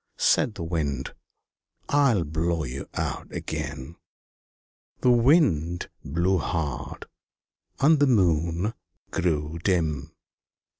Said the Wind "I will blow you out again." The Wind blew hard, and the Moon grew dim.